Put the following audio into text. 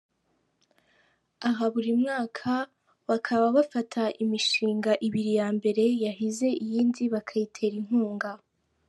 Aha buri mwaka bakaba bafata imishinga ibiri ya mbere yahize iyindi bakayitera inkunga.